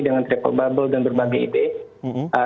dengan travel bubble dan berbagai ide